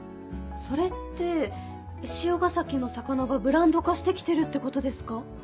それって汐ヶ崎の魚がブランド化して来てるってことですか？